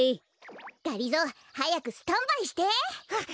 がりぞーはやくスタンバイして。わわかった！